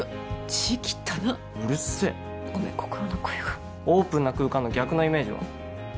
字きったなうるせえごめん心の声がオープンな空間の逆のイメージは？